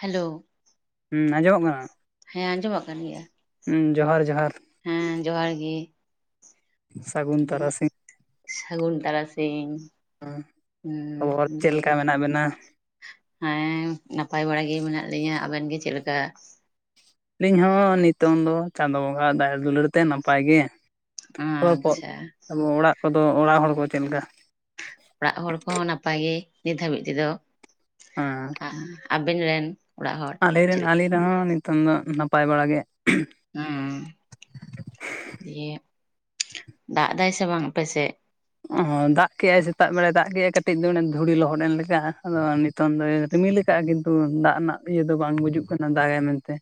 Hello ᱦᱩᱸ ᱟᱸᱡᱚᱢᱚᱜ ᱠᱟᱱᱟ᱾ ᱦᱮᱸ ᱟᱸᱡᱚᱢ ᱠᱟᱱ ᱜᱮᱭᱟ᱾ ᱦᱩᱸᱢ ᱡᱚᱦᱟᱨ ᱡᱚᱦᱟᱨ᱾ ᱦᱮᱸ ᱡᱚᱦᱟᱨ ᱜᱮ᱾ ᱥᱟᱹᱜᱩᱱ ᱫᱤᱭᱮ ᱛᱟᱨᱟᱥᱤᱧ ᱥᱟᱹᱜᱩᱱ ᱛᱟᱨᱟᱥᱤᱧ᱾ ᱟᱯᱚᱨ ᱦᱩᱸ ᱪᱮᱫ ᱫᱤᱭᱮ ᱞᱮᱠᱟ ᱢᱮᱱᱟᱜ ᱵᱮᱱᱟ? ᱦᱮᱸ ᱱᱟᱯᱟᱭ ᱵᱟᱲᱟ ᱜᱮ ᱢᱮᱱᱟᱜ ᱞᱤᱧᱟᱹ ᱟᱵᱮᱱ ᱜᱮ ᱪᱮᱫ ᱞᱮᱠᱟ᱾ ᱟᱹᱞᱤᱧ ᱦᱚᱸ ᱱᱤᱛᱚᱝ ᱫᱚ ᱪᱟᱸᱫᱚ ᱵᱚᱸᱜᱟ ᱟᱜ ᱫᱟ. ᱭᱟ ᱫᱩᱞᱟᱹᱲ ᱛᱮ ᱱᱟᱯᱟᱭ ᱜᱮ᱾ ᱦᱚᱨᱚᱯᱚᱜ ᱟᱪᱪᱷᱟ ᱟᱵᱚ ᱚᱲᱟᱜ ᱠᱚᱫᱚ ᱚᱲᱟᱜ ᱦᱚᱲ ᱠᱚ ᱪᱮᱫᱞᱮᱠᱟ? ᱚᱲᱟᱜ ᱦᱚᱲ ᱠᱚᱦᱚᱸ ᱱᱟᱯᱟᱭ ᱜᱮ ᱱᱤᱛ ᱦᱟᱹᱵᱤᱡ ᱛᱮᱫᱚᱼᱼ ᱦᱮᱸ ᱟᱵᱤᱱ ᱨᱮᱱᱼᱼ ᱟᱞᱮᱨᱮᱱ ᱟᱞᱮᱨᱮᱱ ᱦᱚᱸ ᱱᱤᱛᱚᱝ ᱫᱚ ᱱᱟᱯᱟᱭ ᱵᱟᱲᱟ ᱜᱮ᱾ ᱦᱮᱸ ᱫᱤᱭᱮ ᱫᱟᱜ ᱫᱟᱭ ᱥᱮ ᱵᱟᱝ ᱟᱯᱮᱥᱮᱫ᱾ ᱚ ᱫᱟᱜ ᱠᱮᱫᱼᱟᱭ ᱥᱮᱛᱟᱜ ᱵᱮᱲᱟᱭ ᱫᱟᱜ ᱠᱮᱫᱟᱭ ᱠᱟᱹᱴᱤᱡ ᱫᱚ ᱫᱷᱩᱲᱤ ᱞᱚᱦᱚᱫ ᱮᱱ ᱞᱮᱠᱟ ᱟᱫᱚ᱾ ᱱᱤᱛᱚᱱ ᱫᱚ ᱨᱤᱢᱤᱞ ᱠᱟᱜᱼᱟ ᱠᱤᱱᱛᱩ ᱫᱟᱜ ᱨᱮᱱᱟᱜ ᱤᱭᱟᱹ ᱫᱚ ᱵᱟᱝ ᱵᱩᱡᱩᱜ ᱠᱟᱱᱟ ᱫᱟᱜᱟᱭ ᱢᱮᱱᱛᱮ᱾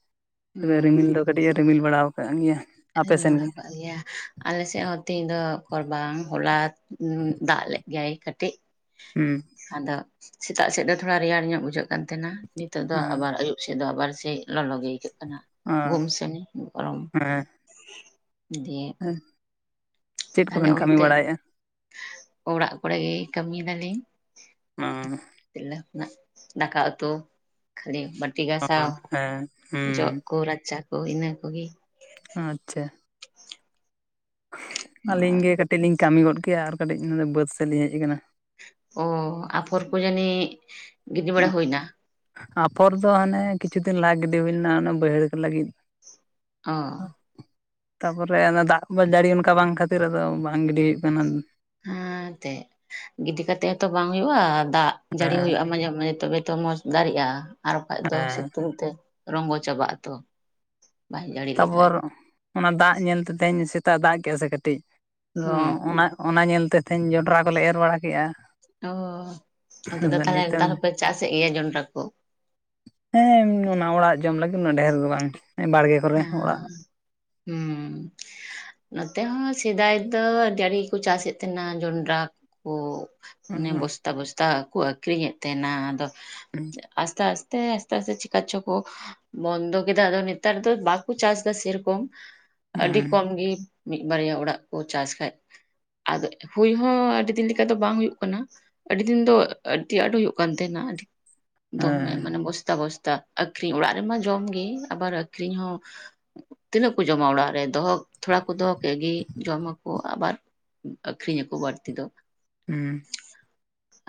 ᱛᱚᱵᱮ ᱨᱤᱢᱤᱞ ᱦᱩᱸ ᱫᱚ ᱠᱟᱹᱴᱤᱡ ᱮ ᱨᱤᱢᱤᱞ ᱵᱟᱲᱟᱣ ᱟᱠᱟᱫ ᱜᱮᱭᱟ᱾ ᱟᱯᱮ ᱨᱤᱢᱤᱞ ᱥᱮᱱ ᱵᱟᱲᱟ ᱜᱮ ᱟᱠᱟᱫᱼᱼ ᱜᱮᱭᱟ ᱟᱞᱮᱥᱮᱫ ᱦᱚᱸ ᱛᱤᱦᱤᱧ ᱫᱚ ᱳᱠᱚᱨᱵᱟᱝ ᱦᱚᱞᱟ ᱫᱟᱜ ᱞᱮᱫ ᱜᱮᱭᱟᱭ ᱠᱟᱹᱴᱤᱡ᱾ ᱦᱩᱸ ᱟᱫᱚ ᱥᱮᱛᱟᱜ ᱥᱮᱫ ᱫᱚ ᱛᱷᱚᱲᱟ ᱨᱮᱭᱟᱲ ᱧᱚᱜ ᱵᱩᱡᱷᱟᱹᱜ ᱠᱟᱱ ᱛᱟᱦᱮᱱᱟ ᱱᱤᱛᱚᱜ ᱫᱚ ᱦᱮᱸ ᱟᱵᱟᱨ ᱟᱹᱭᱩᱵ᱾ ᱥᱮᱫ ᱫᱚ ᱟᱵᱟᱨ ᱥᱮ ᱞᱚᱞᱚ ᱜᱮ ᱟᱹᱭᱠᱟᱹᱜ ᱠᱟᱱᱟ ᱚ ᱜᱩᱢ ᱥᱟᱱᱤ ᱜᱚᱨᱚᱢ᱾ ᱫᱤᱭᱮ ᱦᱮᱸ ᱪᱮᱫ ᱟᱞᱮ ᱠᱚᱵᱮᱱ ᱠᱟᱹᱢᱤ ᱚᱱᱛᱮ ᱵᱟᱲᱟᱭᱮᱫᱼᱟ? ᱚᱲᱟᱜ ᱠᱚᱨᱮ ᱜᱮ ᱠᱟᱹᱢᱤᱭ ᱫᱟᱞᱤᱧ᱾ ᱚᱻ ᱛᱤᱨᱞᱟᱹ ᱦᱚᱯᱚᱱᱟᱜ ᱫᱟᱠᱟ ᱩᱛᱩ ᱛᱷᱟᱹᱨᱤᱼᱼ ᱴᱤ ᱜᱟᱥᱟᱣ ᱦᱮᱸ ᱡᱚᱜ ᱦᱩᱸ ᱠᱚ ᱨᱟᱪᱟ ᱠᱚ ᱤᱱᱟᱹ ᱠᱚᱜᱮ᱾ ᱟᱪᱪᱷᱟ᱾ ᱟᱹᱞᱤᱧ ᱜᱮ ᱠᱟᱹᱴᱤᱡ ᱞᱤᱧ ᱠᱟᱹᱢᱤ ᱜᱚᱫ ᱠᱮᱜ-ᱟ ᱟᱨ ᱠᱟᱹᱴᱤᱡ ᱵᱟᱹᱫᱽ ᱥᱮᱫ ᱞᱤᱧ ᱦᱮᱡ ᱟᱠᱟᱱᱟ᱾ ᱚ ᱟᱯᱷᱚᱨ ᱠᱚ ᱡᱟᱱᱤᱡ ᱜᱤᱰᱤᱤ ᱵᱟᱲᱟ ᱦᱩᱭᱱᱟ? ᱟᱯᱷᱚᱨ ᱫᱚ ᱦᱟᱱᱮ ᱠᱤᱪᱷᱩ ᱫᱤᱱ ᱞᱟᱦᱟ ᱜᱤᱰᱤ ᱦᱩᱭ ᱞᱮᱱᱟ ᱚᱱᱟ ᱵᱟᱹᱭᱦᱟᱹᱲ ᱠᱚ ᱞᱟᱹᱜᱤᱫ᱾ ᱚᱻ ᱛᱟᱯᱚᱨᱮ ᱚᱱᱟ ᱫᱟᱜ ᱡᱟᱹᱲᱤ ᱚᱱᱠᱟ ᱵᱟᱝ ᱠᱷᱟᱹᱛᱤᱨ ᱟᱫᱚ ᱵᱟᱝ ᱜᱤᱰᱤ ᱦᱩᱭᱩᱜ ᱠᱟᱱᱟ᱾ ᱟᱨ ᱛᱮ ᱜᱤᱰᱤ ᱠᱟᱛᱮ ᱦᱚᱸᱛᱚ ᱵᱟᱝ ᱦᱩᱭᱩᱜᱼᱟ ᱫᱟᱜ ᱡᱟᱹᱲᱤ ᱦᱩᱭᱩᱜ-ᱟ ᱢᱟᱡᱷᱮ ᱢᱟᱡᱷᱮ ᱛᱚᱵᱮ ᱛᱚ ᱢᱚᱸᱡᱽ᱾ ᱫᱟᱨᱮᱜ-ᱟ, ᱟᱨ ᱵᱟᱠᱷᱟᱡ ᱫᱚ ᱦᱮᱸ ᱥᱤᱛᱩᱝ ᱛᱮ ᱨᱚᱝᱜᱚ ᱪᱟᱵᱟᱜ ᱟᱛᱚ ᱾ ᱛᱟᱯᱚᱨ ᱚᱱᱟ ᱫᱟᱜ ᱧᱮᱞ ᱛᱮ ᱛᱦᱮᱧ ᱥᱮᱛᱟᱜ ᱮ ᱫᱟᱜ ᱠᱮᱫᱟ ᱥᱮ ᱠᱟᱹᱴᱤᱡ, ᱟᱫᱚ ᱦᱩᱸ ᱚᱱᱟ ᱚᱱᱟ ᱧᱮᱞ ᱛᱮ ᱛᱮᱦᱧ ᱡᱚᱸᱰᱨᱟ ᱠᱚᱞᱮ ᱮᱨ ᱵᱟᱲᱟ ᱠᱮ-ᱟ ᱾ ᱚᱻ, ᱟᱯᱮ ᱫᱚ ᱛᱟᱞᱦᱮ ᱱᱮᱛᱟᱨ ᱦᱚᱯᱮ ᱪᱟᱥᱮᱜ ᱜᱮᱭᱟ ᱡᱚᱸᱰᱨᱟ ᱠᱚ? ᱦᱮᱸ ᱚᱱᱟ ᱚᱲᱟᱜ ᱡᱚᱢ ᱞᱟᱹᱜᱤᱫ ᱩᱱᱟ. ᱜ ᱰᱷᱮᱨ ᱫᱚ ᱵᱟᱝ ᱵᱟᱲᱜᱮ ᱠᱚᱨᱮ, ᱚᱲᱟᱜ ᱦᱩᱢ ᱱᱚᱛᱮ ᱦᱚᱸ ᱥᱮᱫᱟᱭ ᱫᱚ ᱟᱹᱰᱤ ᱟᱴ ᱜᱮᱠᱚ ᱪᱟᱥᱮᱫ ᱛᱟᱦᱮᱱᱟ ᱡᱚᱱᱰᱨᱟ ᱠᱚ ᱢᱟᱱᱮ ᱦᱮᱸ ᱵᱚᱥᱛᱟ ᱵᱚᱥᱛᱟ ᱠᱚ ᱟᱹᱠᱷᱨᱤᱧᱮᱫ ᱛᱟᱦᱮᱱᱟ ᱟᱫᱚ ᱟᱥᱛᱮ ᱟᱥᱛᱮ ᱟᱥᱛᱮ ᱟᱥᱛᱮ ᱪᱤᱠᱟ ᱪᱚᱠᱚ ᱵᱚᱱᱫᱚ ᱠᱮᱫᱟ ᱟᱫᱚ ᱱᱮᱛᱟᱨ ᱫᱚ ᱵᱟᱠᱚ ᱪᱟᱥ ᱮᱫᱟ ᱥᱮᱨᱮᱠᱚᱢ ᱟᱹᱰᱤ ᱠᱚᱢ ᱜᱮ ᱾ ᱢᱤᱫ ᱵᱟᱨᱭᱟ ᱚᱲᱟᱜ ᱠᱚ ᱪᱟᱥ ᱠᱷᱟᱡ ᱟᱫᱚ ᱦᱩᱭ ᱦᱚᱸ ᱟᱹᱰᱤ ᱫᱤᱱ ᱞᱮᱠᱟ ᱫᱚ ᱵᱟᱝ ᱦᱩᱭᱩᱜ ᱠᱟᱱᱟ ᱾ ᱟᱹᱰᱤ ᱫᱤᱱ ᱫᱚ ᱟᱹᱰᱤ ᱟᱸᱴ ᱦᱩᱭᱩᱜ ᱠᱟᱱ ᱛᱟᱦᱮᱸᱱᱟ ᱟᱹᱰᱤ ᱫᱚᱢᱮ ᱦᱮᱸ ᱢᱟᱱᱮ ᱵᱚᱥᱛᱟ ᱵᱚᱥᱛᱟ ᱟᱠᱷᱨᱤᱧ ᱚᱲᱟᱜ ᱨᱮᱢᱟ ᱡᱚᱢ ᱜᱮ ᱟᱵᱟᱨ ᱟᱠᱷᱨᱤᱧ ᱦᱚᱸ ᱾ ᱛᱤᱱᱟᱹᱜ ᱠᱚ ᱡᱚᱢᱟ ᱚᱲᱟᱜ ᱨᱮ ᱫᱚᱦᱚ ᱛᱷᱚᱲᱟ ᱠᱚ ᱫᱚᱦᱚ ᱠᱮᱫ ᱜᱮ ᱡᱚᱢᱟᱠᱚ ᱟᱵᱟᱨ ᱟᱠᱷᱨᱤᱧ ᱟᱠᱚ ᱵᱟᱹᱲᱛᱤ ᱫᱚ ᱾ ᱩᱸᱦ ᱾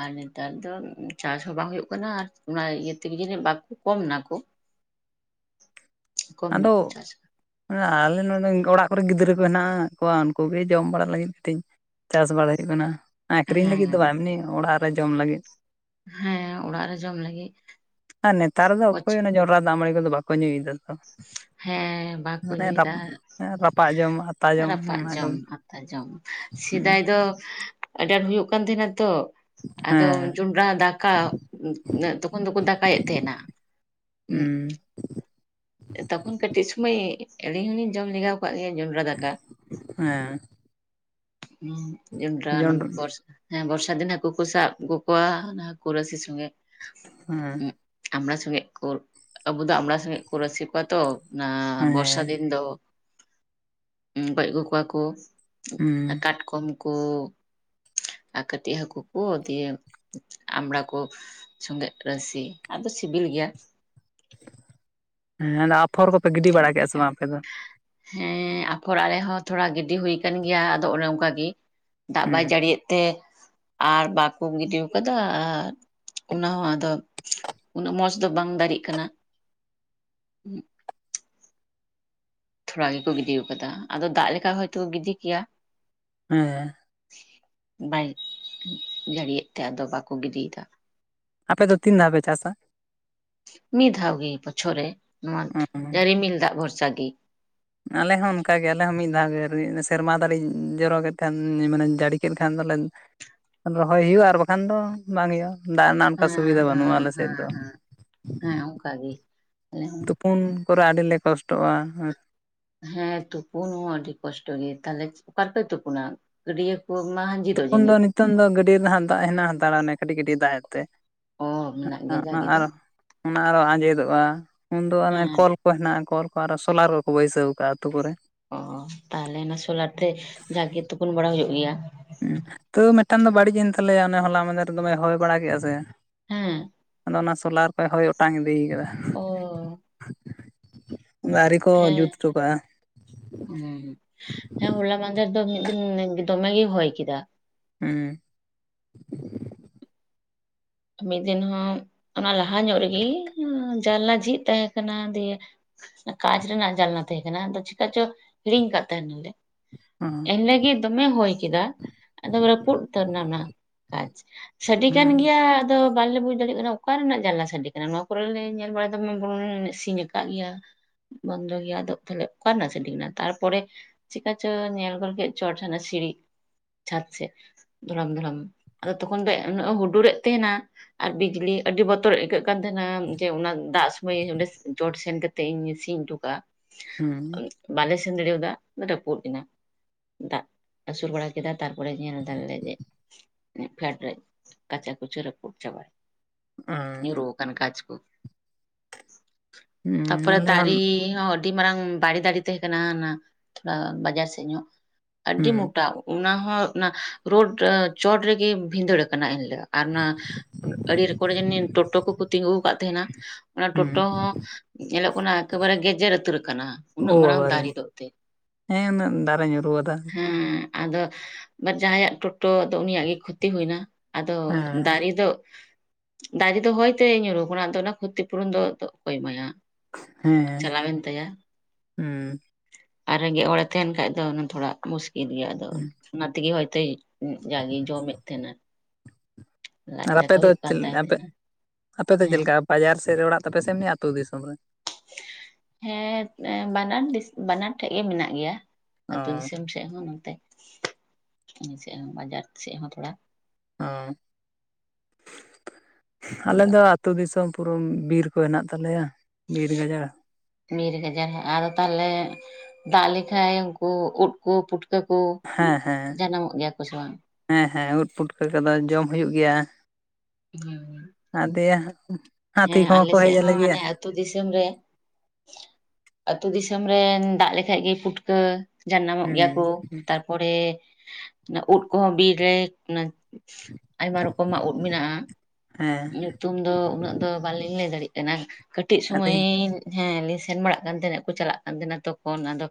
ᱟᱨ ᱱᱮᱛᱟᱨ ᱫᱚ ᱪᱟᱥ ᱦᱚᱸ ᱵᱟᱝ ᱦᱩᱭᱩᱜ ᱠᱟᱱᱟ ᱟᱨ ᱚᱱᱟ ᱤᱭᱟᱹ ᱛᱮᱜᱮ ᱡᱟᱹᱱᱤᱡ ᱵᱟᱠᱚ ᱠᱚᱢ ᱱᱟᱠᱚ ᱾ ᱟᱫᱚ ᱜᱮᱠᱚ ᱪᱟᱥ ᱠᱟᱱᱟ᱾ ᱟᱞᱮ ᱱᱚᱸᱰᱮ ᱚᱲᱟᱜ ᱠᱚᱨᱮ ᱜᱤᱫᱽᱨᱟᱹ ᱠᱚ ᱦᱮᱱᱟᱜ ᱠᱚᱣᱟ ᱩᱱᱠᱩ ᱜᱮ ᱡᱚᱢ ᱵᱟᱲᱟ ᱞᱟᱹᱜᱤᱫ ᱠᱟᱹᱴᱤᱡ ᱪᱟᱥ ᱵᱟᱲᱟ ᱦᱩᱭᱩᱜ ᱠᱟᱱᱟ, ᱟᱹᱠᱷᱨᱤᱧ ᱞᱟᱹᱜᱤᱫ ᱫᱚ ᱦᱮᱸ ᱵᱟ ᱮᱢᱱᱤ ᱚᱲᱟᱜ ᱨᱮ ᱡᱚᱢ ᱞᱟᱹᱜᱤᱫ ᱾ ᱦᱮᱸ ᱚᱲᱟᱜ ᱨᱮ ᱡᱚᱢ ᱞᱟᱹᱜᱤᱫ ᱾ [unintelligible] ᱨᱟ ᱫᱟᱜᱢᱟᱬᱤ ᱠᱚᱫᱚ ᱵᱟᱠᱚ ᱧᱩᱭᱮᱫᱟ ᱛᱚ ᱾ ᱦᱮᱸ ᱾ ᱢᱟᱱᱮ ᱨᱟᱯ ᱨᱟᱯᱟᱜ ᱡᱚᱢᱟᱜ ᱾ ᱨᱟᱯᱟᱜ ᱡᱚᱢ, ᱟᱛᱟ ᱡᱚᱢ ᱦᱮᱸ ᱥᱮᱫᱟᱭ ᱫᱚ ᱟᱹᱰᱤ ᱟᱸᱴ ᱦᱩᱭᱩᱜ ᱠᱟᱱ ᱛᱟᱦᱮᱱᱟ ᱛᱚ ᱾ ᱟᱫᱚ ᱡᱚᱸᱰᱨᱟ ᱫᱟᱠᱟ, ᱛᱚᱠᱷᱚᱱ ᱫᱚᱠᱚ ᱫᱟᱠᱟᱭᱮᱫ ᱛᱟᱦᱮᱸᱱᱟ ᱾ ᱦᱩᱸ ᱻ ᱛᱚᱠᱷᱚᱱ ᱠᱟᱹᱴᱤᱡ ᱥᱚᱢᱚᱭ ᱟᱹᱞᱤᱧ ᱦᱚᱞᱤᱧ ᱡᱚᱢ ᱞᱮᱜᱟᱣ ᱠᱟᱫ ᱜᱮᱭᱟ ᱡᱚᱸᱰᱨᱟ ᱫᱟᱠᱟ᱾ ᱦᱮᱸ ᱦᱩᱸ ᱡᱚᱸᱰᱨᱟ ᱡᱚᱱᱰᱨᱟ ᱵᱚᱨᱥ [unintelligible] ᱦᱮᱸ ᱵᱚᱨᱥᱟ ᱫᱤᱱ ᱦᱟᱹᱠᱩ ᱠᱚ ᱥᱟᱵ ᱟᱹᱜᱩ ᱠᱚᱣᱟ, ᱚᱱᱟ ᱦᱟᱹᱠᱩ ᱨᱟᱥᱮ ᱥᱚᱸᱜᱮ᱾ ᱦᱮᱸ ᱾ ᱟᱢᱲᱟ ᱥᱚᱸᱜᱮ ᱠᱚ ᱟᱵᱚ ᱫᱚ ᱟᱢᱲᱟ ᱥᱚᱸᱜᱮ ᱠᱚ ᱨᱟᱥᱮ ᱠᱚᱣᱟ ᱛᱚ, ᱚᱱᱟ ᱵᱚᱨᱥᱟ ᱦᱮᱸ ᱫᱤᱱ ᱫᱚ ᱜᱚᱡ ᱟᱹᱜᱩ ᱠᱚᱣᱟ ᱠᱚ ᱦᱩᱸ ᱠᱟᱴᱠᱚᱢ ᱠᱚ, ᱟᱨ ᱠᱟᱹᱴᱤᱡ ᱦᱟᱹᱠᱩ ᱠᱚ ᱫᱤᱭᱮ ᱟᱢᱲᱟ ᱠᱚ ᱥᱚᱸᱜᱮᱜ ᱨᱟᱥᱮ, ᱟᱫᱚ ᱥᱤᱵᱤᱞ ᱜᱮᱭᱟ ᱾ ᱦᱮᱸ ᱟᱯᱷᱚᱨ ᱠᱚᱯᱮ ᱜᱤᱰᱤ ᱡᱚᱱᱰᱨᱟ ᱵᱟᱲᱟ ᱠᱮᱜᱼᱟ ᱥᱮ ᱫᱟᱠᱟ ᱵᱟᱝ ᱟᱯᱮ ᱫᱚ? ᱦᱮᱸ ᱟᱯᱷᱚᱨ ᱟᱞᱮ ᱦᱚᱸ ᱛᱷᱚᱲᱟ ᱜᱤᱰᱤ ᱦᱩᱭ ᱟᱠᱟᱱ ᱜᱮᱭᱟ ᱟᱫᱚ ᱚᱱᱮ ᱚᱱᱠᱟ ᱜᱤ ᱾ ᱫᱟᱜ ᱦᱩᱸ ᱵᱟᱭ ᱡᱟᱹᱲᱤᱭᱟᱜ ᱛᱮ ᱟᱨ ᱵᱟᱠᱚ ᱜᱤᱰᱤ ᱟᱠᱟᱫᱟ ᱚᱱᱟ ᱦᱚ ᱟᱫᱚ ᱩᱱᱟᱹᱜ ᱢᱚᱸᱡᱽ ᱫᱚ ᱵᱟᱝ ᱫᱟᱨᱮᱜ ᱠᱟᱱᱟ ᱾ ᱛᱷᱚᱲᱟ ᱜᱮᱠᱚ ᱜᱤᱰᱤ ᱟᱠᱟᱫᱟ, ᱟᱫᱚ ᱫᱟᱜ ᱞᱮᱠᱷᱟᱡ ᱦᱚᱭᱛᱚ ᱠᱚ ᱜᱤᱰᱤ ᱠᱮᱭᱟ ᱾ ᱦᱮᱸ ᱾ ᱵᱟᱭ ᱡᱟᱹᱲᱤᱭᱮᱫ ᱛᱮ ᱟᱫᱚ ᱵᱟᱠᱚ ᱜᱤᱰᱤᱭᱮᱫᱟ ᱾ ᱟᱯᱮ ᱫᱚ ᱛᱤᱱ ᱫᱷᱟᱣ ᱯᱮ ᱪᱟᱥᱟ? ᱢᱤᱫ ᱫᱷᱟᱣ ᱜᱮ ᱵᱚᱪᱷᱚᱨ ᱨᱮ, ᱚ ᱱᱚᱣᱟ ᱨᱤᱢᱤᱞ ᱫᱟᱜ ᱵᱷᱚᱨᱥᱟ ᱜᱤ ᱾ ᱟᱞᱮ ᱦᱚᱸ ᱚᱱᱠᱟᱜᱮ ᱟᱞᱮ ᱦᱚᱸ ᱢᱤᱫ ᱫᱷᱟᱣ ᱜᱮ ᱥᱮᱨᱢᱟ ᱫᱟᱜ ᱮ ᱡᱚᱨᱚᱭ ᱠᱷᱟᱱ ᱢᱟᱱᱮ ᱡᱟᱹᱲᱤ ᱠᱮᱫ ᱠᱷᱟᱱ ᱫᱚᱞᱮ ᱨᱚᱦᱚᱭ ᱦᱩᱭᱩᱜᱼᱟ, ᱟᱨ ᱵᱟᱠᱷᱟᱱ ᱫᱚ ᱵᱟᱝ ᱦᱩᱭᱩᱜᱼᱟ ᱾ ᱫᱟᱜ ᱨᱮᱱᱟᱜ ᱚᱱᱠᱟ ᱦᱮᱸ ᱥᱩᱵᱤᱫᱷᱟ ᱵᱟᱹᱱᱩᱜᱼᱟ ᱟᱞᱮ ᱥᱮᱫ ᱫᱚ, ᱚᱱᱠᱟᱜᱤ, ᱛᱩᱯᱩᱱ ᱠᱚᱨᱮ ᱟᱹᱰᱤᱞᱮ ᱠᱚᱥᱴᱚᱜᱼᱟ ᱾ ᱦᱮᱸ ᱛᱩᱯᱩᱱ ᱦᱚᱸ ᱟᱹᱰᱤ ᱠᱚᱥᱴᱚᱜ ᱜᱮ ᱛᱟᱦᱞᱮ ᱚᱠᱟᱨᱮ ᱯᱮ ᱛᱩᱯᱩᱱᱟ ᱜᱟᱹᱰᱭᱟᱹ ᱠᱚ ᱢᱟ, ᱛᱚᱠᱷᱚᱱ ᱫᱚ ᱱᱤᱛᱚᱝ ᱫᱚ ᱜᱟᱹᱰᱭᱟᱹ ᱨᱮ ᱦᱟᱜ ᱫᱟᱜ ᱦᱮᱱᱟᱜ ᱦᱟᱛᱟᱲᱟᱱᱟ, ᱠᱟᱹᱴᱤᱡ ᱠᱟᱹᱴᱤᱡ ᱫᱟᱜ ᱮᱜ ᱛᱮ, ᱚ ᱢᱮᱱᱟᱜ ᱜᱮᱭᱟ ᱚᱱᱟ ᱡᱟᱜᱮ ᱫᱚ ᱟᱨᱚ ᱚᱱᱟ ᱟᱨᱚ ᱟᱸᱡᱮᱫᱚᱜᱼᱟ, ᱩᱱ ᱫᱚ ᱚᱱᱮ ᱦᱮᱸ ᱠᱚᱞ ᱠᱚ ᱦᱮᱱᱟᱜᱼᱟ ᱠᱚᱞ ᱠᱚ ᱟᱨᱚ ᱥᱳᱞᱟᱨ ᱨᱮᱠᱚ ᱵᱟᱹᱭᱥᱟᱹᱣ ᱟᱠᱟᱫᱼᱟ ᱟᱹᱛᱩ ᱠᱚᱨᱮ ᱾ ᱚᱻ ᱛᱟᱦᱚᱞᱮ ᱚᱱᱟ ᱥᱳᱞᱟᱨ ᱛᱮ ᱡᱟᱠ ᱜᱮ ᱛᱩᱯᱩᱱ ᱵᱟᱲᱟ ᱦᱩᱭᱩᱜ ᱜᱮᱭᱟ᱾ ᱛᱚ ᱢᱤᱫᱴᱟᱝ ᱫᱚ ᱵᱟᱹᱲᱤᱡ ᱮᱱ ᱛᱟᱞᱮᱭᱟ ᱚᱱᱮ ᱦᱚᱞᱟ ᱢᱟᱫᱷᱮᱨ ᱫᱚᱢᱮ ᱦᱚᱭ ᱵᱟᱲᱟ ᱠᱮᱫᱼᱟ ᱥᱮ ᱦᱮᱸ ᱟᱫᱚ ᱚᱱᱟ ᱥᱳᱞᱟᱨ ᱠᱚᱭ ᱦᱚᱭ ᱚᱴᱟᱝ ᱤᱫᱤ ᱟᱠᱟᱫᱟ᱾ ᱚᱻ ᱟᱣᱨᱤ ᱠᱚ ᱦᱮᱸ ᱡᱩᱛ ᱚᱴᱚ ᱠᱟᱜᱼᱟ ᱾ ᱦᱩᱸ ᱦᱮᱸ ᱦᱚᱞᱟ ᱢᱟᱫᱷᱮᱨ ᱫᱚ ᱢᱤᱫ ᱫᱤᱱ ᱫᱚᱢᱮ ᱜᱮᱭ ᱦᱚᱭ ᱠᱮᱫᱟ ᱾ ᱦᱮᱸ ᱢᱤᱫ ᱫᱤᱱ ᱦᱚᱸ ᱚᱱᱟ ᱞᱟᱦᱟ ᱧᱚᱜ ᱨᱮᱜᱮ ᱡᱟᱞᱞᱟ ᱡᱷᱤᱡ ᱛᱟᱦᱮᱸᱦ ᱠᱟᱱᱟ, ᱡᱮ ᱠᱟᱪ ᱨᱮᱱᱟᱜ ᱡᱟᱞᱱᱟ ᱛᱟᱦᱮᱸ ᱠᱟᱱᱟ ᱟᱫᱚ ᱪᱤᱠᱟ ᱪᱚ ᱦᱤᱲᱤᱧ ᱟᱠᱟᱫ ᱛᱟᱦᱮᱱᱟᱞᱮ, ᱦᱮᱸ ᱮᱱᱮ ᱜᱤ ᱫᱚᱢᱮ ᱦᱚᱭ ᱠᱮᱫᱟ, ᱮᱠᱫᱚᱢ ᱨᱟᱹᱯᱩᱫ ᱩᱛᱟᱹᱨ ᱮᱱᱟ ᱚᱱᱟ ᱠᱟᱸᱡ ᱥᱟᱰᱮ ᱠᱟᱱ ᱜᱮᱭᱟ, ᱟᱫᱚ ᱵᱟᱞᱮ ᱵᱩᱡᱽ ᱫᱟᱲᱮᱭᱟᱜ ᱠᱟᱱᱟ ᱚᱠᱟ ᱨᱮᱱᱟᱜ ᱡᱟᱱᱟᱞᱟ ᱥᱟᱰᱮ ᱠᱟᱱᱟ, ᱱᱚᱣᱟ ᱠᱚᱨᱮ ᱞᱮ ᱧᱮᱞ ᱵᱟᱲᱟᱭᱮᱫᱟ ᱫᱚᱢᱮ ᱵᱚᱱ ᱥᱤᱧ ᱟᱠᱟᱫ ᱜᱮᱭᱟ ᱾ ᱵᱚᱱᱫᱚ ᱜᱮᱭᱟ ᱟᱫᱚ ᱛᱟᱦᱚᱞᱮ ᱚᱠᱟ ᱨᱮᱱᱟᱜ ᱥᱮᱴᱤᱝ ᱮᱱᱟ, ᱛᱟᱨᱯᱚᱨᱮ ᱪᱮᱠᱟ ᱪᱚ ᱧᱮᱞ ᱜᱚᱫ ᱠᱮᱫ ᱪᱚᱴ ᱨᱮᱱᱟᱜ ᱥᱤᱲᱤ ᱪᱷᱟᱫᱚ ᱥᱮᱫ ᱫᱷᱚᱲᱚᱢ ᱫᱷᱚᱲᱚᱢ ᱟᱫᱚ ᱛᱚᱠᱷᱚᱱ ᱫᱚ ᱩᱱᱟᱹᱜ ᱦᱩᱰᱩᱨᱮᱫ ᱛᱟᱦᱮᱱᱟ ᱾ ᱟᱨ ᱵᱤᱡᱽᱞᱤ ᱟᱹᱰᱤ ᱵᱚᱛᱚᱨ ᱟᱹᱭᱠᱟᱹᱜ ᱠᱟᱱ ᱛᱟᱦᱮᱱᱟ ᱾ ᱡᱮ ᱚᱱᱟ ᱫᱟᱜ ᱥᱚᱢᱚᱭ ᱪᱚᱴ ᱥᱮᱱ ᱠᱟᱛᱮ ᱤᱧᱜᱤ ᱥᱤᱧ ᱦᱚᱴᱚ ᱠᱟᱜ-ᱟ ᱾ ᱦᱮᱸ ᱵᱟᱞᱮ ᱥᱮᱱ ᱫᱟᱲᱮ ᱟᱫᱟ ᱨᱟᱹᱯᱩᱫ ᱮᱱᱟ ᱾ ᱫᱟᱜ ᱟᱹᱥᱩᱲ ᱵᱟᱲᱟ ᱠᱮᱫᱟ ᱛᱟᱨᱯᱚᱨᱮ ᱧᱮᱞ ᱮᱫᱟᱞᱮ ᱡᱮ ᱯᱷᱮᱰ ᱨᱮ ᱠᱟᱪᱟ ᱠᱩᱪᱩ ᱨᱚᱜ [unintelligible] ᱧᱩᱨᱩ ᱟᱠᱟᱱᱟ ᱠᱟᱸᱪ ᱠᱚ ᱛᱟᱯᱚᱨᱮ ᱫᱟᱨᱤ ᱦᱚ ᱟᱹᱰᱤ ᱢᱟᱨᱟᱝ ᱵᱟᱲᱮ ᱫᱟᱨᱮ ᱛᱟᱦᱮᱸ ᱠᱟᱱᱟ ᱚᱱᱟ ᱛᱷᱚᱲᱟ ᱵᱟᱡᱟᱨ ᱥᱮᱫ ᱧᱚᱜ ᱟᱹᱰᱤ ᱢᱚᱴᱟ ᱾ ᱚᱱᱟ ᱦᱚᱸ ᱚᱱᱟ ᱨᱳᱰ ᱪᱚᱴ ᱨᱮᱜᱮ ᱵᱷᱤᱸᱫᱟᱹᱲ ᱟᱠᱟᱱᱟ, ᱤᱱ ᱦᱤᱞᱳᱜ ᱟᱨ ᱚᱱᱟ [unintelligible] ᱠᱚᱨᱮ ᱡᱟᱱᱤᱡ ᱴᱳᱴᱳ ᱠᱚᱠᱚ ᱛᱤᱸᱜᱩ ᱟᱠᱟᱫ ᱛᱟᱦᱮᱱᱟ ᱾ ᱚᱱᱟ ᱴᱳᱴᱳ ᱦᱚᱸ ᱧᱮᱞᱚᱜ ᱠᱟᱱᱟ, ᱮᱠᱮᱵᱟᱨᱮ ᱜᱮᱡᱮᱨ ᱩᱛᱟᱹᱨ ᱟᱠᱟᱱᱟ ᱾ ᱩᱱᱟᱹᱜ ᱢᱟᱨᱟᱝ ᱫᱟᱨᱮ ᱫᱚ ᱮᱱᱛᱮᱫ, ᱦᱮᱸ ᱩᱱᱟᱹᱜ ᱫᱟᱨᱮ ᱧᱩᱨᱩ ᱟᱫᱟ ᱾ ᱦᱮᱸ ᱟᱫᱚ ᱡᱟᱦᱟᱸᱭᱟᱜ ᱴᱳᱴᱳ ᱟᱫᱚ ᱩᱱᱤᱭᱟᱜ ᱜᱮ ᱠᱷᱚᱛᱤ ᱦᱩᱭ ᱮᱱᱟ, ᱟᱫᱚ ᱦᱮᱸ ᱫᱟᱨᱮ ᱫᱚ ᱫᱟᱨᱮ ᱫᱚ ᱦᱚᱭᱛᱮ ᱧᱩᱨᱩ ᱟᱠᱟᱱᱟ, ᱟᱫᱚ ᱚᱱᱟ ᱠᱷᱚᱛᱤ ᱯᱩᱨᱚᱱ ᱫᱚ ᱚᱠᱚᱭ ᱮᱢᱟᱭᱟ ᱾ ᱦᱮᱸ ᱪᱟᱞᱟᱣᱮᱱ ᱛᱟᱭᱟ ᱦᱩᱸ ᱾ ᱟᱨ ᱨᱮᱸᱜᱮ ᱦᱚᱲᱮ ᱛᱟᱦᱮᱱ ᱠᱷᱟᱡ ᱫᱚ ᱛᱷᱚᱲᱟ ᱢᱩᱥᱠᱤᱞ ᱜᱮᱭᱟ ᱟᱫᱚ ᱦᱩᱸ᱾ ᱚᱱᱟ ᱛᱮᱜᱮ ᱦᱚᱭᱛᱳ ᱡᱟᱜᱮᱭ ᱡᱚᱢᱮᱫ ᱛᱟᱦᱮᱱᱟ, ᱞᱟᱡ ᱟᱨ ᱟᱯᱮ ᱫᱟᱠᱟ ᱫᱚ ᱦᱩᱭᱩᱜ ᱠᱟᱱ ᱛᱟᱭ ᱟᱯᱮ ᱛᱟᱦᱮᱸᱱᱟ ᱟᱯᱮᱫᱚ ᱪᱮᱫ ᱦᱮᱸ ᱞᱮᱠᱟ ᱵᱟᱡᱟᱨ ᱥᱮᱫ ᱨᱮ ᱚᱲᱟᱜ ᱛᱟᱯᱮ ᱥᱮ ᱮᱢᱱᱤ ᱟᱹᱛᱩ ᱫᱤᱥᱚᱢ ᱨᱮ ᱦᱮᱸ ᱵᱟᱱᱟᱨ ᱵᱟᱱᱟᱨ ᱴᱷᱮᱡ ᱜᱮ ᱢᱮᱱᱟᱜ ᱜᱮᱭᱟ ᱾ ᱚ ᱟᱹᱛᱩ ᱫᱤᱥᱚᱢ ᱥᱮᱫ ᱦᱚᱸ ᱱᱚᱛᱮ ᱥᱮᱫ ᱦᱚᱸ ᱵᱟᱡᱟᱨ ᱥᱮᱫ ᱦᱚᱸ ᱛᱷᱚᱲᱟ, [unintelligible] ᱟᱞᱮ ᱟᱫᱚ ᱫᱚ ᱟᱹᱛᱩ ᱫᱤᱥᱚᱢ ᱯᱩᱨᱟᱹ ᱵᱤᱨ ᱠᱚ ᱦᱮᱱᱟᱜ ᱛᱟᱞᱮᱭᱟ, ᱵᱤᱨ ᱜᱟᱡᱟᱲ, ᱵᱤᱨ ᱜᱟᱡᱟᱲ ᱟᱫᱚ ᱛᱟᱦᱚᱞᱮ ᱫᱟᱜ ᱞᱮᱠᱷᱟᱡ ᱩᱱᱠᱩ ᱩᱫ ᱠᱚ ᱯᱩᱴᱼ ᱠᱟᱹ ᱠᱚ ᱦᱮᱸ ᱦᱮᱸ ᱡᱟᱱᱟᱢᱚᱜ ᱜᱮᱭᱟ ᱠᱚ ᱥᱮ ᱵᱟᱝ? ᱦᱮᱸ ᱦᱮᱸ ᱩᱫ ᱯᱩᱴᱠᱟᱹ ᱠᱚᱫᱚ ᱡᱚᱢ ᱦᱩᱭᱩᱜ ᱜᱮᱭᱟ ᱾ ᱦᱮᱸ ᱟᱫᱮᱭᱟ, ᱦᱟᱹᱛᱤ ᱠᱚᱦᱚᱸ ᱠᱚ ᱥᱮᱫ ᱦᱮᱡ ᱟᱞᱮ ᱦᱚᱸ ᱜᱮᱭᱟ ᱦᱟᱱᱮ ᱾ ᱟᱹᱛᱩ ᱫᱤᱥᱚᱢ ᱨᱮ, ᱟᱹᱛᱩ ᱫᱤᱥᱚᱢ ᱨᱮᱱ ᱫᱟᱜ ᱞᱮᱠᱷᱟᱡ ᱜᱮ ᱯᱷᱩᱴᱠᱟᱹ ᱡᱟᱱᱟ ᱢᱚᱜ ᱜᱮᱭᱟ ᱦᱩᱸ ᱠᱚ, ᱛᱟᱨᱯᱚᱨᱮ ᱩᱫ ᱠᱚᱦᱚᱸ ᱵᱤᱨ ᱨᱮ, ᱟᱭᱢᱟ ᱨᱚᱠᱚᱢᱟᱜ ᱩᱫ ᱢᱮᱱᱟᱜᱼᱟ, ᱦᱮᱸ ᱧᱩᱛᱩᱢ ᱫᱚ ᱩᱱᱟᱹᱜ ᱫᱚ ᱵᱟᱞᱤᱧ ᱞᱟᱹᱭ ᱫᱟᱲᱭᱟᱜ ᱠᱟᱱᱟ, ᱠᱟᱹᱴᱤᱡ ᱥᱩᱢᱟᱹᱭ ᱟᱹᱞᱤᱧ ᱦᱮᱸ ᱞᱤᱧ ᱥᱮᱱ ᱵᱟᱲᱟᱜ ᱠᱟᱱ ᱛᱟᱦᱮᱱᱟ ᱠᱚ ᱪᱟᱞᱟᱜ ᱠᱟᱱ ᱛᱟᱦᱮᱱᱟ ᱛᱚᱠᱷᱚᱱ ᱟᱫᱚ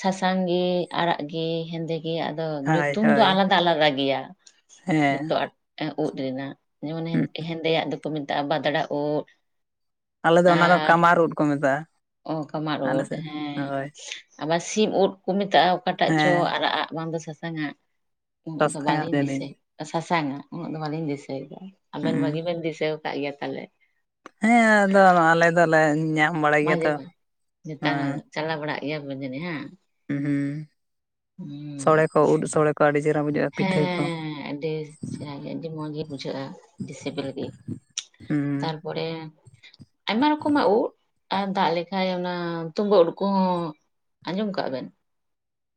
ᱥᱟᱥᱟᱝ ᱜᱮ, ᱟᱲᱟᱜ ᱜᱮ, ᱦᱮᱸᱫᱮ ᱜᱮ, ᱜᱮ ᱟᱫᱚ ᱦᱳᱭ ᱧᱩᱛᱩᱢ ᱫᱚ ᱦᱳᱭ ᱟᱞᱟᱫᱟ ᱟᱞᱟᱫᱟ ᱜᱮᱭᱟ, ᱦᱮᱸ ᱡᱚᱛᱚ ᱩᱫ ᱨᱮᱱᱟᱜ, ᱡᱮᱢᱚᱱ ᱦᱩᱸ ᱦᱮᱸᱫᱮᱭᱟᱜ ᱫᱚᱠᱚ ᱢᱮᱛᱟᱜᱼᱟ ᱵᱟᱫᱽᱲᱟ ᱩᱫ ᱟᱞᱮ ᱾ ᱫᱚ ᱚᱱᱟ ᱫᱚ ᱟᱨ ᱠᱟᱢᱟᱨ ᱩᱫ ᱠᱚ ᱢᱮᱛᱟᱜᱼᱟ ᱚᱱᱠᱟᱢᱟᱨ ᱟᱞᱮ ᱩᱫ ᱥᱮᱫ ᱦᱮᱸ ᱦᱳᱭ ᱟᱵᱟᱨ ᱥᱤᱢ ᱩᱫ ᱠᱚ ᱢᱮᱛᱟᱜᱼᱟ ᱚᱠᱟᱴᱟᱜ ᱪᱚ ᱦᱮᱸ ᱟᱨᱟᱜ ᱟᱜ ᱵᱟᱝᱫᱚ ᱥᱟᱥᱟᱝ ᱟᱜ? ᱩᱱᱟᱹᱜ ᱫᱚ ᱥᱟᱥᱟᱝᱟᱜ ᱵᱟᱹᱞᱤᱧ ᱡᱟᱹᱱᱤᱡ ᱫᱤᱥᱟᱹᱭᱟ ᱥᱟᱥᱟᱝᱟ ᱩᱱᱟᱹᱜ ᱫᱚ ᱵᱟᱹᱞᱤᱧ ᱫᱤᱥᱟᱹᱫᱟ, ᱟᱵᱮᱱ ᱦᱩᱸ ᱵᱷᱟᱹᱜᱤ ᱵᱮᱱ ᱫᱤᱥᱟᱹ ᱟᱠᱟᱫ ᱜᱮᱭᱟ ᱯᱟᱦᱟᱞᱮᱫ, ᱦᱮᱸ ᱟᱫᱚ ᱟᱞᱮ ᱫᱚᱞᱮ ᱧᱟᱢ ᱵᱟᱲᱟᱭ ᱢᱟ ᱜᱮᱭᱟ ᱡᱮ ᱛᱚ, ᱱᱮᱛᱟᱨ ᱦᱮᱸ ᱦᱚᱸ ᱪᱟᱞᱟᱣ ᱵᱟᱲᱟᱜ ᱜᱮᱭᱟ ᱯᱮ ᱡᱟᱱᱤᱜ ᱦᱟ? ᱦᱩᱸ ᱦᱩᱸ ᱥᱚᱲᱮ ᱠᱚ ᱩᱫ [unintelligible] ᱥᱚᱲᱮ ᱟᱹᱰᱤ ᱪᱮᱦᱨᱟ ᱵᱩᱡᱷᱟᱹᱜᱼᱟ ᱯᱤᱴᱷᱟᱹ ᱠᱚ, ᱦᱮᱸ ᱟᱹᱰᱤ ᱪᱮᱦᱨᱟ ᱜᱮ ᱟᱹᱰᱤ ᱢᱚᱸᱡᱽ ᱜᱮ ᱵᱩᱡᱷᱟᱹᱜᱼᱟ, ᱟᱹᱰᱤ ᱥᱤᱵᱤᱞ ᱜᱮ ᱾ ᱦᱩᱸ ᱯᱚᱨᱮ ᱟᱭᱢᱟ ᱨᱚᱠᱚᱢᱟᱜ ᱩᱫᱽ, ᱟᱨ ᱫᱟᱜ ᱞᱮᱠᱷᱟᱡ ᱚᱱᱟ ᱛᱩᱢᱵᱟᱹ ᱩᱫᱽ ᱠᱚᱦᱚᱸ ᱟᱸᱡᱚᱢ ᱠᱟᱜ-ᱟ ᱵᱮᱱ?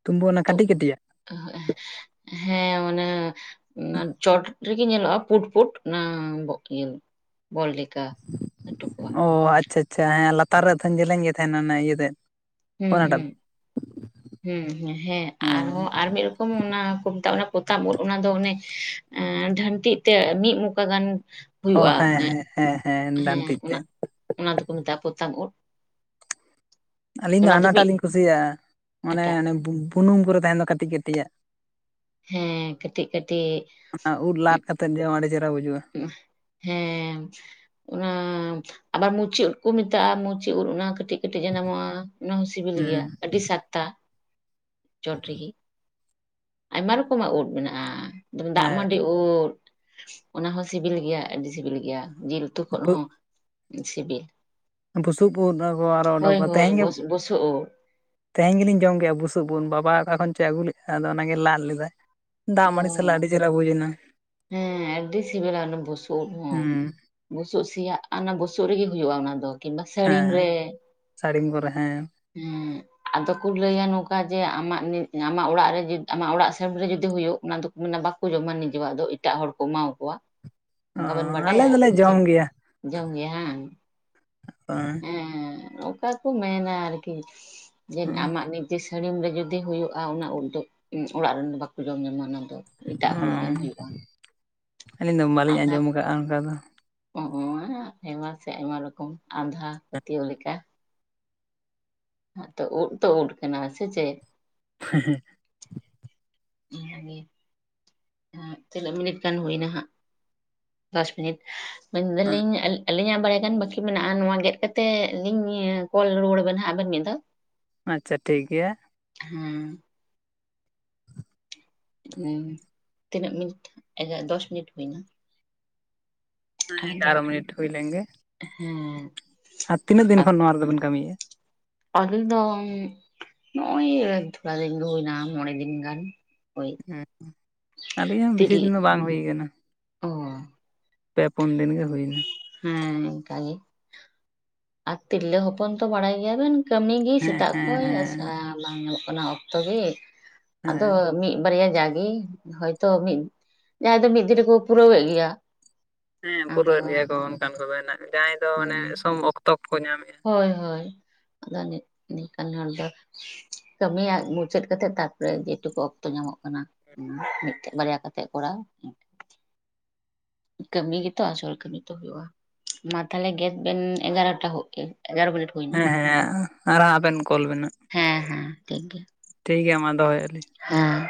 ᱛᱩᱢᱵᱟᱹ ᱚᱱᱟ ᱛᱚ ᱠᱟᱹᱴᱤᱡ ᱠᱟᱹᱴᱤᱡ ᱟᱜ, ᱦᱮᱸ ᱚᱱᱟ ᱚᱱᱟ ᱪᱚᱴ ᱨᱮᱜᱮ ᱧᱮᱞᱚᱜᱼᱟ ᱯᱩᱴ ᱯᱩᱰ ᱚᱱᱟ ᱤᱭᱟᱹ ᱵᱚᱞ ᱨᱮ ᱚ ᱟᱪᱪᱷᱟ ᱟᱪᱪᱷᱟ ᱦᱮᱸ ᱞᱟᱛᱟᱨ ᱨᱮ ᱛᱮᱧ ᱡᱮᱞᱤᱧ ᱜᱮ ᱛᱟᱦᱮᱱᱟ ᱚᱱᱟ ᱚᱱᱟ ᱤᱭᱟᱹᱛᱮ? ᱦᱩᱸ ᱦᱩᱸ, ᱦᱩᱸ ᱦᱮᱸ ᱟᱨᱦᱚᱸ ᱟᱨ ᱢᱤᱫ ᱨᱚᱠᱚᱢ ᱚᱱᱟ ᱚᱱᱟ ᱯᱚᱛᱟᱢ ᱩᱫᱽ ᱚᱱᱟ ᱫᱚ ᱚᱱᱮ ᱰᱷᱟᱱᱴᱤᱜ ᱛᱮ ᱢᱤᱫ ᱢᱚᱠᱟ ᱜᱟᱱ ᱚ ᱦᱩᱭᱩᱜᱼᱟ ᱾ ᱦᱮᱸ ᱦᱮᱸ ᱦᱮᱸ ᱦᱮᱸ ᱦᱮᱸ ᱰᱟᱱᱴᱤᱡ ᱛᱮ ᱚᱱᱟ ᱚᱱᱟ ᱫᱚᱠᱚ ᱢᱮᱛᱟᱜᱼᱟ ᱯᱚᱛᱟᱢ ᱩᱫ ᱾ ᱟᱹᱞᱤᱧ ᱫᱚ ᱦᱟᱱᱟᱴᱟᱜ ᱞᱤᱧ ᱠᱩᱥᱤᱭᱟᱜᱼᱟ, ᱠᱟᱴᱟ ᱢᱟᱱᱮ ᱵᱩᱱᱩᱢ ᱠᱚᱨᱮ ᱛᱟᱦᱮᱱ ᱫᱚ ᱠᱟᱹᱴᱤᱡ ᱠᱟᱹᱴᱤᱡᱟᱜ ᱾ ᱦᱮᱸ ᱠᱟᱹᱴᱤᱡ ᱠᱟᱹᱴᱤᱡ, ᱚᱱᱟ ᱩᱫ ᱞᱟᱫ ᱠᱟᱛᱮᱫ ᱡᱚᱢ ᱟᱹᱰᱤ ᱪᱮᱦᱨᱟ ᱵᱩᱡᱩᱜᱼᱟ ᱾ ᱦᱮᱸ ᱚᱱᱟ ᱟᱵᱟᱨ ᱢᱩᱪᱤ ᱩᱸᱫᱽ ᱠᱚ ᱢᱮᱛᱟᱜᱼᱟ, ᱢᱩᱪᱤ ᱩᱸᱫᱽ ᱚᱱᱟ ᱠᱟᱹᱴᱤᱡ ᱠᱟᱹᱴᱤᱡ ᱡᱟᱱᱟᱢᱚᱜ-ᱟ ᱚᱱᱟ ᱦᱚᱸ ᱥᱤᱵᱤᱞ ᱜᱮᱭᱟ ᱦᱩᱸ ᱟᱹᱰᱤ ᱥᱟᱛᱛᱟ᱾ ᱪᱚᱴ ᱨᱤᱜᱤ ᱟᱭᱢᱟ ᱨᱚᱠᱚᱢᱟᱜ ᱩᱫᱽ ᱢᱮᱱᱟᱜ-ᱟ, ᱫᱟᱜ ᱦᱮᱸ ᱢᱟᱹᱰᱤ ᱩᱫᱽ ᱚᱱᱟ ᱦᱚᱸ ᱥᱤᱵᱤᱞ ᱜᱮᱭᱟ ᱟᱹᱰᱤ ᱥᱤᱵᱤᱞ ᱜᱮᱭᱟ ᱡᱤᱞ ᱛᱩ ᱠᱷᱚᱱ ᱦᱚᱸ ᱥᱤᱵᱤᱞ, ᱵᱩᱥᱩᱵ ᱩᱫ ᱟᱨᱚ ᱠᱚ ᱦᱳᱭ ᱚᱰᱚᱠᱚᱜ-ᱟ ᱦᱳᱭ ᱛᱮᱦᱮᱧ ᱜᱮ ᱵᱚᱥ ᱵᱚᱥᱩᱵ ᱩᱫ ᱛᱮᱦᱮᱧ ᱜᱮᱞᱤᱧ ᱡᱚᱢ ᱠᱮᱜ-ᱟ ᱵᱩᱥᱩᱵ ᱩᱫ ᱵᱟᱵᱟ ᱚᱠᱟ ᱠᱷᱚᱱ ᱪᱚᱭ ᱟᱹᱜᱩ ᱞᱮᱜ-ᱟ ᱟᱫᱚ ᱚᱱᱟᱜᱮ ᱞᱟᱫ ᱞᱮᱫᱟᱭ᱾ ᱫᱟᱜ ᱚ ᱢᱟᱹᱲᱤ ᱥᱟᱞᱟᱜ ᱟᱹᱰᱤ ᱪᱮᱦᱨᱟ ᱵᱩᱡᱽ ᱮᱱᱟ᱾ ᱦᱮᱸ ᱟᱹᱰᱰᱤ ᱥᱤᱵᱤᱞᱟ ᱚᱱᱟ ᱵᱩᱥᱩᱵ ᱩᱫ ᱦᱚᱸ, ᱦᱩᱸ ᱵᱩᱥᱩᱵ ᱥᱮᱭᱟᱜ ᱚᱱᱟ ᱵᱩᱥᱩᱵ ᱨᱮᱜᱮ ᱦᱩᱭᱩᱜ-ᱟ ᱚᱱᱟ ᱫᱚ ᱠᱤᱝᱵᱟ ᱥᱟᱹᱲᱤᱢ ᱨᱮ, ᱦᱮᱸ ᱥᱟᱹᱲᱤᱢ ᱠᱚᱨᱮ ᱦᱮᱸ ᱦᱮᱸ ᱟᱫᱚ ᱠᱚ ᱞᱟᱹᱭᱟ ᱱᱚᱠᱟ ᱡᱮ ᱟᱢᱟᱜ ᱟᱢᱟᱜ ᱚᱲᱟᱜ ᱨᱮ ᱡᱤ ᱟᱢᱟᱜ ᱚᱲᱟᱜ ᱥᱮᱢ ᱨᱮ ᱡᱩᱫᱤ ᱦᱩᱭᱩᱜ ᱚᱱᱟ ᱫᱚ ᱢᱱᱟ ᱵᱟᱠᱚ ᱡᱚᱢᱟ ᱱᱤᱡᱮᱣᱟᱜ ᱫᱚ ᱮᱴᱟᱜ ᱦᱚᱲ ᱠᱚ ᱮᱢᱟᱣ ᱠᱚᱣᱟ᱾ ᱚ ᱚᱝᱠᱟ ᱵᱮᱱ ᱟᱞᱮ ᱵᱟᱰᱟᱭᱟ ᱫᱚᱞᱮ ᱥᱮ ᱡᱚᱢ ᱪᱮᱫ ᱜᱮᱭᱟ ᱡᱚᱢ ᱜᱮ ᱦᱟᱝ? [unintelligible] ᱠᱟ ᱠᱩ ᱢᱮᱱᱟ ᱟᱨᱠᱤ ᱡᱮ ᱟᱢᱟᱜ ᱱᱤ ᱡᱮ ᱥᱟᱹᱲᱤᱢ ᱨᱮ ᱡᱩᱫᱤ ᱦᱩᱭᱩᱜ-ᱟ ᱚᱱᱟ ᱩᱫ ᱫᱚ ᱚᱲᱟᱜ ᱨᱮᱱ ᱫᱚ ᱵᱟᱠᱚ ᱡᱚᱢ ᱧᱟᱢᱟ ᱚᱱᱟ ᱫᱚ, ᱮᱴᱟᱜ ᱦᱚᱲ ᱮᱢ ᱦᱩᱭᱩᱜ-ᱟ᱾ ᱟᱹᱞᱤᱧ ᱫᱚ ᱵᱟᱹᱞᱤᱧ ᱟᱸᱡᱚᱢᱟ ᱠᱟᱜ-ᱟ ᱚᱱᱠᱟ ᱫᱚ᱾ ᱦᱚᱜ-ᱚᱭ ᱟᱭᱢᱟ ᱥᱮᱜ ᱟᱭᱢᱟ ᱨᱚᱠᱚᱢ ᱟᱸᱫᱷᱟ ᱯᱟᱹᱛᱭᱟᱹᱣ ᱞᱮᱠᱟ᱾ ᱛᱚ ᱩᱫᱽ ᱛᱚ ᱩᱫᱽ ᱠᱟᱱᱟ ᱥᱮ ᱪᱮᱫ? ᱦᱮᱸ ᱦᱮᱸ ᱚᱱᱟᱜᱮ ᱮᱜ ᱛᱤᱱᱟᱹᱜ ᱢᱤᱱᱤᱴ ᱜᱟᱱ ᱦᱩᱭᱱᱟ ᱦᱟᱸᱜ? [inaudible] ᱫᱚᱥ ᱢᱤᱱᱤᱴ ᱢᱮᱱ ᱫᱟᱹᱞᱤᱧ ᱟᱹᱞ ᱟᱹᱞᱤᱧᱟᱜ ᱵᱟᱲᱭᱟ ᱜᱟᱱ ᱵᱟᱹᱠᱤ ᱢᱮᱱᱟᱜ-ᱟ ᱱᱚᱣᱟ ᱜᱮᱫ ᱠᱟᱛᱮᱜ ᱞᱤᱧ ᱠᱚᱞ ᱨᱩᱣᱟᱹᱲ ᱵᱮᱱ ᱦᱟᱸᱜ ᱟᱵᱮᱱ ᱢᱤᱫ ᱫᱷᱟᱣ᱾ ᱟᱪᱪᱷᱟ ᱴᱷᱤᱠ ᱜᱮᱭᱟ᱾ ᱦᱮᱸ ᱛᱤᱱᱟᱹᱜ ᱢᱤᱱᱤᱴ ᱮᱜ ᱫᱚᱥ ᱢᱤᱱᱤᱴ ᱦᱩᱭᱱᱟ? ᱦᱮᱸ ᱟᱫᱚ ᱮᱜᱟᱨᱚ ᱢᱤᱱᱤᱴ ᱦᱩᱭ ᱞᱮᱱ ᱜᱮ᱾ ᱦᱮᱸ ᱟᱨ ᱛᱤᱱᱟᱹᱜ ᱫᱤᱱ ᱠᱷᱚᱱ ᱱᱚᱣᱟ ᱨᱮᱫᱚ ᱵᱮᱱ ᱠᱟᱹᱢᱤᱭᱮᱜ-ᱟ? ᱟᱹᱞᱤᱧ ᱫᱚ ᱱᱚᱜ-ᱚᱭ ᱛᱷᱚᱲᱟ ᱫᱤᱱ ᱜᱮ ᱦᱩᱭᱱᱟ ᱢᱚᱬᱮ ᱫᱤᱱ ᱜᱟᱱ᱾ ᱳᱭ ᱦᱩᱸ ᱟᱹᱞᱤᱧᱟᱜ ᱦᱚᱸ ᱵᱤᱥᱤ ᱛᱤᱨᱞ ᱫᱤᱱ ᱫᱚ ᱵᱟᱝ ᱦᱩᱭ ᱠᱟᱱᱟ᱾ ᱚ ᱯᱮ ᱯᱩᱱ ᱫᱤᱱ ᱜᱮ ᱦᱩᱭ ᱱᱟ᱾ ᱦᱮᱸ ᱮᱝᱠᱟ ᱜᱮ᱾ ᱟᱨ ᱛᱤᱨᱞᱟᱹ ᱦᱚᱯᱚᱱ ᱛᱚ ᱵᱟᱲᱟᱭ ᱜᱮᱭᱟᱵᱮᱱ ᱠᱟᱹᱢᱤ ᱜᱮ ᱦᱮᱸ ᱥᱮᱛᱟᱜ ᱦᱮᱸ ᱠᱷᱚᱡ ᱦᱮᱸ ᱵᱟᱝ ᱧᱟᱢᱚᱜ ᱠᱟᱱᱟ ᱚᱠᱛᱚ ᱜᱮ ᱟᱫᱚ ᱦᱮᱸ ᱢᱤᱫ ᱵᱟᱨᱭᱟ ᱡᱟᱜᱮ ᱦᱚᱭᱛᱚ ᱢᱤᱫ ᱡᱟᱦᱟᱸᱭ ᱫᱚ ᱢᱤᱫ ᱫᱤᱱ ᱨᱮᱠᱚ ᱯᱩᱨᱟᱹᱣᱮᱜ ᱜᱮᱭᱟ᱾ ᱦᱮᱸ ᱟᱫᱚ ᱯᱩᱨᱟᱹᱣᱮᱜ ᱜᱮᱭᱟ ᱠᱚ ᱚᱱᱠᱟᱱ ᱠᱚᱫᱚ ᱦᱮᱱᱟᱜ ᱡᱟᱦᱟᱸᱭ ᱫᱚ ᱢᱟᱱᱮ ᱦᱩᱸ ᱥᱚᱢ ᱚᱠᱛᱚ ᱠᱚᱠᱚ ᱧᱟᱢᱮᱜ-ᱟ᱾ ᱦᱳᱭ ᱦᱳᱭ ᱟᱫᱚ ᱱᱤ ᱱᱤᱠᱟᱱ ᱦᱚᱲ ᱫᱚ ᱠᱟᱹᱢᱤᱭᱟᱜ ᱢᱩᱪᱟᱹᱫ ᱠᱟᱛᱮᱫ ᱛᱟᱯᱚᱨᱮ ᱡᱮ ᱴᱩᱠᱩ ᱚᱠᱛᱚ ᱧᱟᱢᱚᱜ ᱠᱟᱱᱟ, ᱦᱩᱸ ᱢᱮᱜᱴᱮᱡ ᱵᱟᱨᱭᱟ ᱠᱟᱛᱮᱜ ᱠᱚᱨᱟᱣ ᱠᱟᱹᱢᱤ ᱜᱮᱛᱚ ᱟᱥᱚᱞ ᱠᱟᱹᱢᱤ ᱛᱚ ᱦᱩᱭᱩᱜ-ᱟ᱾ ᱢᱟ ᱛᱷᱟᱞᱮ ᱜᱮᱫ ᱵᱮᱱ ᱮᱜᱟᱨᱚᱴᱟ ᱡᱩᱜ ᱮ ᱮᱜᱟᱨᱳ ᱢᱤᱱᱤᱴ ᱦᱩᱭᱱᱟ ᱦᱮᱸ ᱦᱮᱸ ᱟᱨ ᱦᱟᱸᱜ ᱟᱵᱮᱱ ᱠᱚᱞ ᱵᱮᱱᱟᱜ᱾ ᱦᱮᱸ ᱦᱮᱸ ᱴᱷᱤᱠ ᱜᱮᱭᱟ᱾ ᱴᱷᱤᱠ ᱜᱮᱭᱟ ᱢᱟ ᱫᱚᱦᱚᱭᱮ ᱫᱟᱞᱤᱧ ᱦᱮᱸᱼᱼ